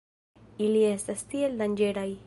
Ili estas tiel danĝeraj.